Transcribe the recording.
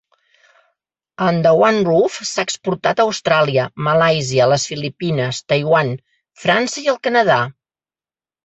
Under One Roof s'ha exportat a Austràlia, Malàisia, les Filipines, Taiwan, França i el Canadà.